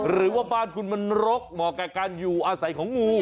หรือว่าบ้านคุณมันรกเหมาะกับการอยู่อาศัยของงู